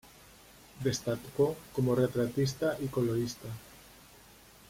Destacó como retratista y colorista.